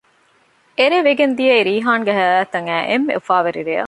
އެރޭ ވެގެންދިޔައީ ރީޙާންގެ ޙަޔާތަށް އައި އެންމެ އުފާވެރި ރެޔަށް